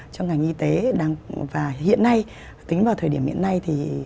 trong ngành y tế và hiện nay tính vào thời điểm hiện nay thì